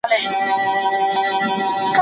موږ له دې حقیقته سترګې نشو پټولی.